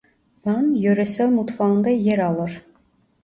Van yöresel mutfağında yer alır.